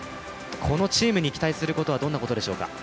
このチームに期待することはどんなことでしょうか？